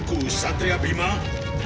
kau akan menang